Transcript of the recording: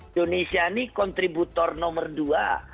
indonesia ini kontributor nomor dua